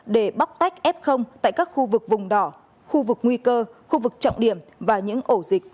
để bóc tách f tại các khu vực vùng đỏ khu vực nguy cơ khu vực trọng điểm và những ổ dịch mới phát sinh